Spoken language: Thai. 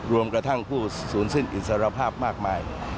รวมกระทั่งผู้ศูนย์สิ้นอิสรภาพมากมาย